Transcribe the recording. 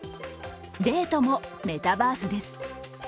デートもメタバースです。